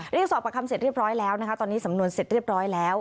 สอบประคำเสร็จเรียบร้อยแล้วนะคะตอนนี้สำนวนเสร็จเรียบร้อยแล้ว